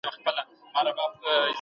شجاع الدوله د واک نوي مقررات اعلان کړل.